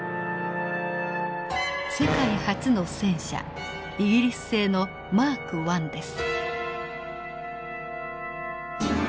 世界初の戦車イギリス製のマークⅠです。